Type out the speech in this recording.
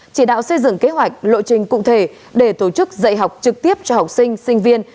chỉ đạo xây dựng kế hoạch lộ trình cụ thể để tổ chức dạy học trực tiếp cho học sinh sinh viên